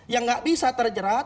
yang tidak bisa terjerat